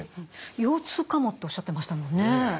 腰痛かもっておっしゃってましたもんね。